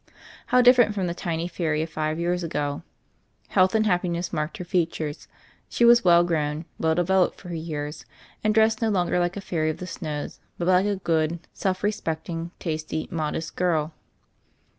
How different from the tiny fairy of five years agol Health and happiness marked her features ; she was well grown, well developed for her years, and dressed, no longer like a fairy of the snows, but like a good, self respecting tasty, modest girl.